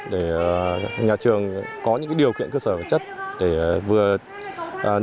để nhà trường có những cái điều kiện cơ sở chất để vừa nội dung